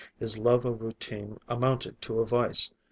His love of routine amounted to a vice.